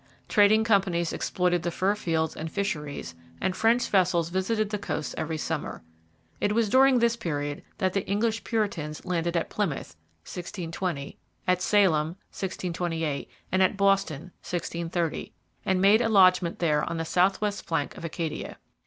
Trading companies exploited the fur fields and the fisheries, and French vessels visited the coasts every summer. It was during this period that the English Puritans landed at Plymouth (1620), at Salem (1628), and at Boston (1630), and made a lodgment there on the south west flank of Acadia.